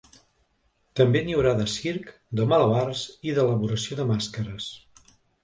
També n’hi haurà de circ, de malabars i d’elaboració de màscares.